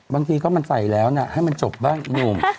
บางทีก็มันใส่แล้วนะให้มันจบบ้างอีหนุ่ม